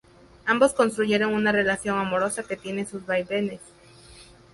Ambos construyeron una relación amorosa que tiene sus vaivenes.